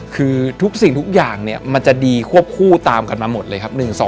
คือทุกสิ่งทุกอย่างเนี่ยมันจะดีควบคู่ตามกันมาหมดเลยครับ